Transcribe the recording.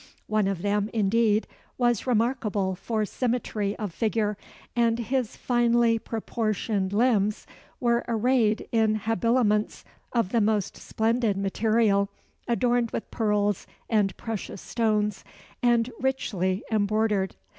One of them, indeed, was remarkable for symmetry of figure, and his finely proportioned limbs were arrayed in habiliments of the most splendid material, adorned with pearls and precious stones, and richly embroidered.